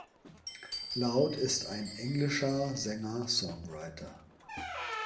Loud ist ein englischer Sänger/Songwriter.